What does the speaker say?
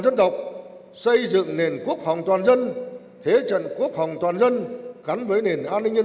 dân tộc xây dựng nền quốc phòng toàn dân thế trận quốc phòng toàn dân gắn với nền an ninh nhân